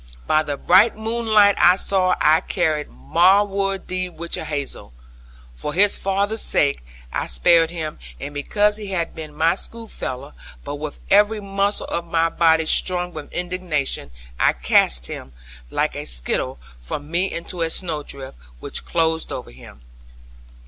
By the bright moonlight I saw that I carried Marwood de Whichehalse. For his father's sake I spared him, and because he had been my schoolfellow; but with every muscle of my body strung with indignation, I cast him, like a skittle, from me into a snowdrift, which closed over him.